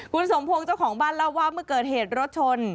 คุณสมพงศ์เจ้าของบ้านเล่าว่าเมื่อเกิดเหตุรถชน